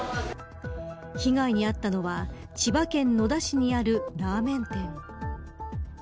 被害に遭ったのは千葉県野田市にあるラーメン店。